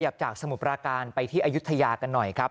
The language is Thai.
จากสมุทรปราการไปที่อายุทยากันหน่อยครับ